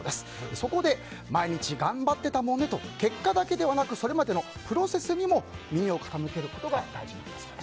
そこで毎日頑張ってたもんねと結果だけではなくそれまでのプロセスにも耳を傾けることが大事なんだそうです。